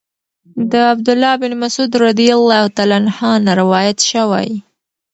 د عبد الله بن مسعود رضی الله عنه نه روايت شوی